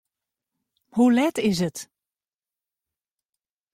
Hoe let is it?